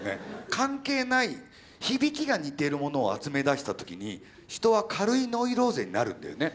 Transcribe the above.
関係ない響きが似ているものを集めだした時に人は軽いノイローゼになるんだよね。